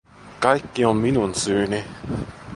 Kaikki on minun syyni.